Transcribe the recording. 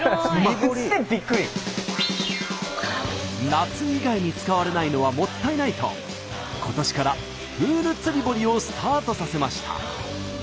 夏以外に使われないのはもったいないと今年からプール釣堀をスタートさせました。